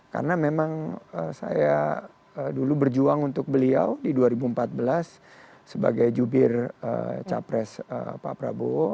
karena memang saya dulu berjuang untuk beliau di dua ribu empat belas sebagai jubir capres pak prabowo